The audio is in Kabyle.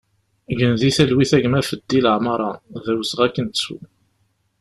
Gen di talwit a gma Feddi Lamara, d awezɣi ad k-nettu!